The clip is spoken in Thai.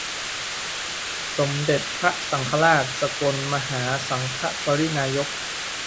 สมเด็จพระสังฆราช สกลมหาสังฆปริณายก